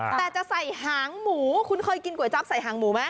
แต่จะใส่หางหมูคุณเคยกินก๋วยจั๊บใส่หางหมูไหม